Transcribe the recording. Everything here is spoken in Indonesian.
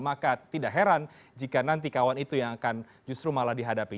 maka tidak heran jika nanti kawan itu yang akan justru malah dihadapi